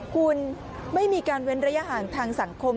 คุณไม่มีการเว้นระยะห่างทางสังคม